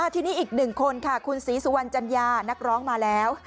ทีนี้อีกหนึ่งคนค่ะคุณศรีสุวรรณจัญญานักร้องมาแล้ว